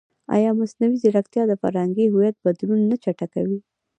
ایا مصنوعي ځیرکتیا د فرهنګي هویت بدلون نه چټکوي؟